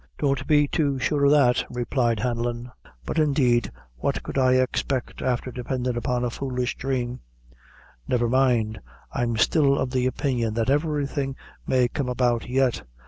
"Don't be too sure o' that," replied Hanlon; "but indeed what could I expect afther dependin' upon a foolish dhrame?" "Never mind; I'm still of the opinion that everything may come about yet.